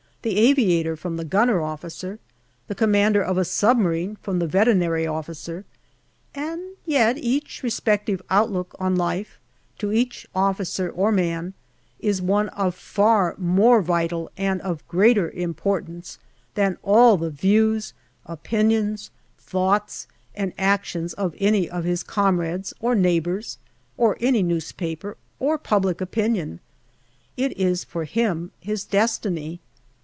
the aviator to the gunner officer, the commander of a submarine from the veterinary officer ; and yet each respective outlook on life, to each officer or man, is one of far more vital and of greater importance than all the views, opinions, thoughts, and actions of any of his comrades or neighbours, of any newspaper, or public opinion. It is for him his destiny.